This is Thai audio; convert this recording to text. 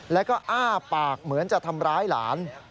แล้วก็อ้าปากเหมือนจะทำร้ายหลาน